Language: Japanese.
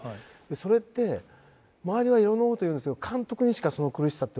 それって周りはいろんな事言うんですけど監督にしかその苦しさってわかんなくて。